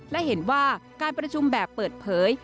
และเห็นว่าการประชุมแบบเปิดเผย